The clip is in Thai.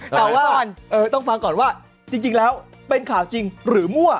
แต่ว่าต้องฟังก่อนว่าจริงแล้วเป็นข่าวจริงหรือมั่ว